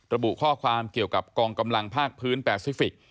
ระบุข้อความเกี่ยวกับกองกำลังภาคพื้นแปซิฟิกส